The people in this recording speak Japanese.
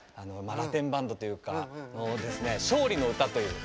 ラテンバンドというか「勝利のうた」という。